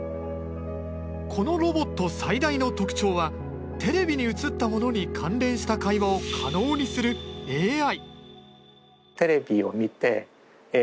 このロボット最大の特徴はテレビに映ったものに関連した会話を可能にするＡＩ。